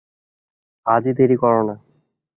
আজই, দেরি কোরো না।